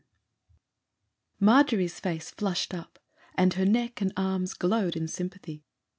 Margery's face flushed up, and her neck and arms glowed in sympathy.